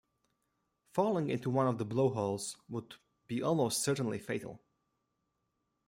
Falling into one of the blowholes would be almost certainly fatal.